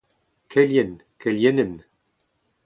kelien, kelienenn